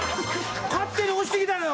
勝手に押してきたのよ！